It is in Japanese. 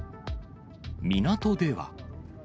港では。